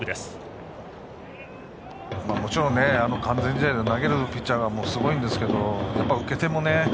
もちろん、完全試合で投げるピッチャーもすごいですがやっぱり受け手もね。